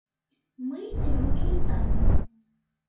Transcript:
Мыйце рукі і самі.